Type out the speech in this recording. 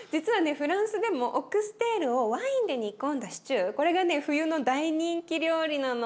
フランスでもオックステールをワインで煮込んだシチューこれがね冬の大人気料理なの。